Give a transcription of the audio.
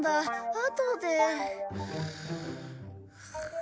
あとで。